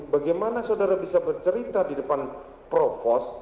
bagaimana saudara bisa bercerita di depan propos